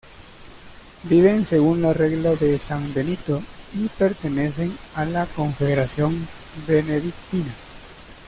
Viven según la "Regla de San Benito" y pertenecen a la Confederación Benedictina.